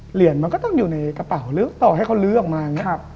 เหรียญมันก็ต้องอยู่ในกระเป๋าต่อให้เขาลื้อออกมา